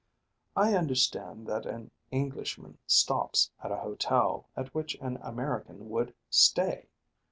I understand that an Englishman stops at a hotel at which an American would stay.